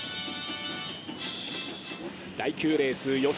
第９レース予選